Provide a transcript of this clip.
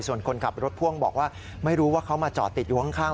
ส่วนคนขับรถพ่วงบอกว่าไม่รู้ว่าเขามาจอดติดอยู่ข้าง